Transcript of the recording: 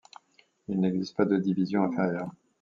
Il n'existe pas de division inférieure.